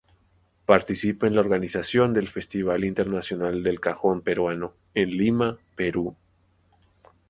Participa en la Organización del Festival Internacional de Cajón Peruano, en Lima, Perú.